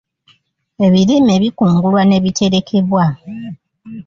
Ebirime bikungulwa ne biterekebwa.